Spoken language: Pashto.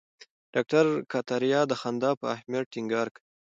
ډاکټر کتاریا د خندا په اهمیت ټینګار کوي.